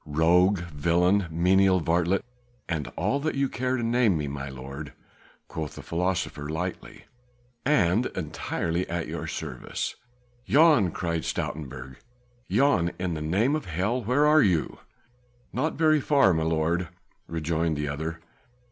"Rogue! Villain! Menial! Varlet! and all that you care to name me, my lord!" quoth the philosopher lightly, "and entirely at your service." "Jan!" cried Stoutenburg, "Jan! In the name of hell where are you?" "Not very far, my lord," rejoined the other.